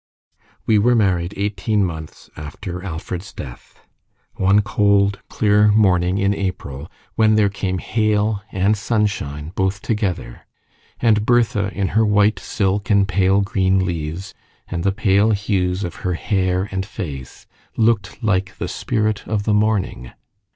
We were married eighteen months after Alfred's death, one cold, clear morning in April, when there came hail and sunshine both together; and Bertha, in her white silk and pale green leaves, and the pale hues of her hair and face, looked like the spirit of the morning.